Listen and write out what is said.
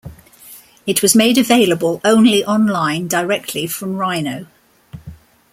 It was made available only online directly from Rhino.